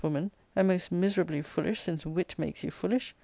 O foolish woman, and most miserably foolish since wit makes you foolish